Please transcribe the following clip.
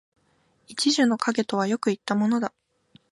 一樹の蔭とはよく云ったものだ